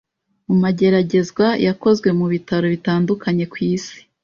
mu mageragezwa yakozwe mu bitaro bitandukanye ku isi.